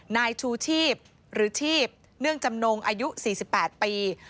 นายชูชีพหรือชีพเนื่องจำนงอายุ๔๘ปี